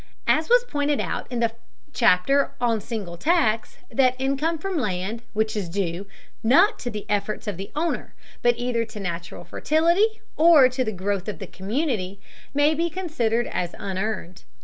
As was pointed out in the chapter on single tax, that income from land which is due, not to the efforts of the owner, but either to natural fertility or to the growth of the community, may be considered as unearned.